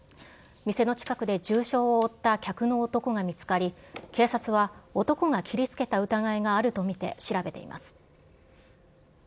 店の近くで重傷を負った客の男が見つかり、警察は、男が切りつけた疑いがあると見て、調べています。